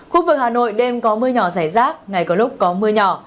khu vực hà nội đêm có mưa nhỏ rải rác ngày có lúc có mưa nhỏ